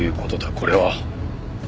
これは。